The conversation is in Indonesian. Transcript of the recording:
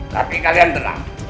tapi kalian deram